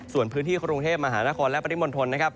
ส่วนพื้นที่กรุงเทพมหานครและปริมณฑลนะครับ